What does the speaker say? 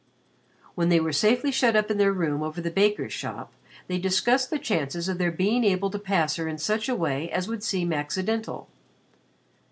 When they were safely shut up in their room over the baker's shop, they discussed the chances of their being able to pass her in such a way as would seem accidental.